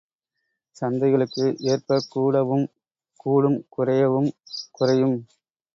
சந்தைகளுக்கு ஏற்பக் கூடவும் கூடும் குறையவும் குறையும்.